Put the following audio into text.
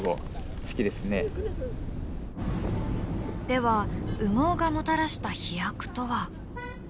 では羽毛がもたらした飛躍とは？